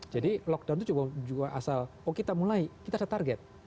jadi lockdown itu juga asal kita mulai kita ada target